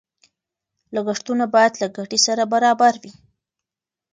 لګښتونه باید له ګټې سره برابر وي.